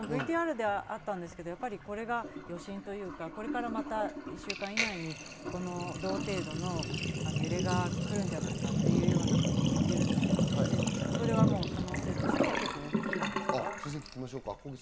あとＶＴＲであったんですけど、これが余震というか、これからまた１週間以内に同程度の揺れが来るんじゃないかということも言ってるんですけど、先生、これは可能性としては大きいんですか？